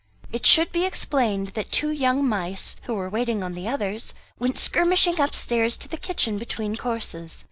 It should be explained that two young mice, who were waiting on the others, went skirmishing upstairs to the kitchen between courses.